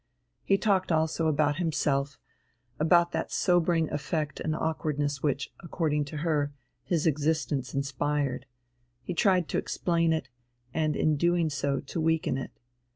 He talked also about himself, about that sobering effect and awkwardness which, according to her, his existence inspired; he tried to explain it, and in doing so to weaken it.